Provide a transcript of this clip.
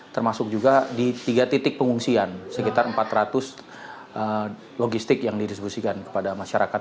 termasuk juga di tiga titik pengungsian sekitar empat ratus logistik yang didistribusikan kepada masyarakat